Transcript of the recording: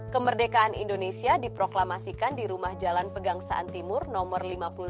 kemerdekaan indonesia diproklamasikan di rumah jalan pegangsaan timur no lima puluh delapan